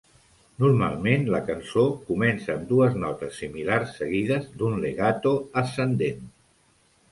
Normalment la cançó comença amb dues notes similars seguides d'un legato ascendent.